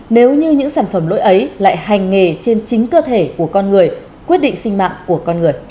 nếu như những sản phẩm lỗi ấy lại hành nghề trên chính cơ thể của con người quyết định sinh mạng của con người